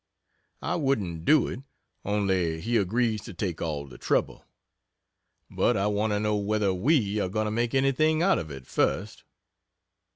I wouldn't do it, only he agrees to take all the trouble. But I want to know whether we are going to make anything out of it, first.